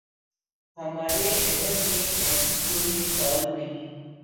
ہمارے عہد میں ایسی کوئی مثال نہیں